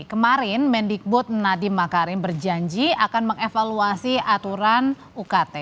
kemarin mendikbud nadiem makarim berjanji akan mengevaluasi aturan ukt